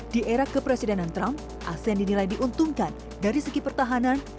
di era kepresidenan trump asean dinilai diuntungkan dari segi pertahanan